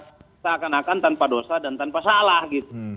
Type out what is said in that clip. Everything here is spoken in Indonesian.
kita akan akan tanpa dosa dan tanpa salah gitu